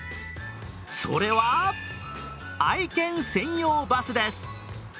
それは愛犬専用バスです。